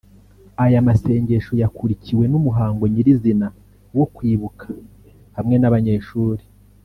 Aya masengesho yakurikiwe n’umuhango nyirizina wo kwibuka hamwe n’abanyeshuri